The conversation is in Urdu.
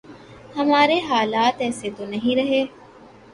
ہمارے حالات ایسے تو نہیں رہے۔